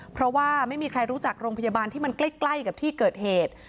เพราะว่าไม่มีใครรู้จักโรงพยาบาลที่มันใกล้กับที่เกิดเหตุ